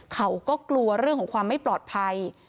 เขาก็กลัวเรื่องของความไม่ปลอดภัย